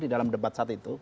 di dalam debat saat itu